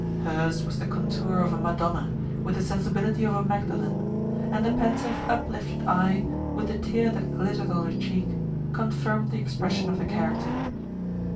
Hers was the contour of a Madona, with the sensibility of a Magdalen; and the pensive uplifted eye, with the tear that glittered on her cheek, confirmed the expression of the character.